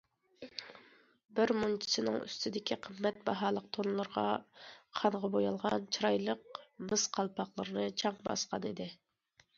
بىر مۇنچىسىنىڭ ئۈستىدىكى قىممەت باھالىق تونلىرىغا قانغا بويالغان، چىرايلىق مىس قالپاقلىرىنى چاڭ باسقانىدى.